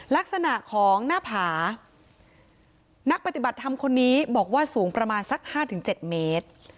ลักษณะของหน้าผานักปฏิบัติธรรมคนนี้บอกว่าสูงประมาณสัก๕๗เมตร